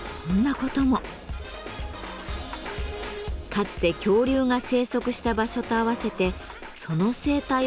かつて恐竜が生息した場所と合わせてその生態を学ぶこともできます。